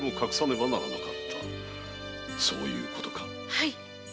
はい。